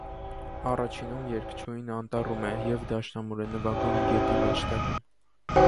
Առաջինում երգչուհին անտառում է և դաշնամուր է նվագում գետի մեջտեղում։